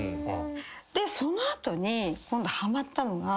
でその後に今度はまったのが。